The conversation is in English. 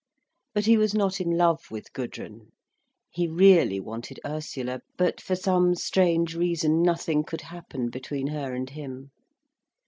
But he was not in love with Gudrun; he really wanted Ursula, but for some strange reason, nothing could happen between her and him.